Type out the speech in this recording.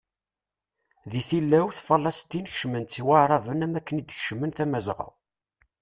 Di tilawt, Faleiṭin kecmen-tt Waεraben am akken i d-kecmen Tamazɣa.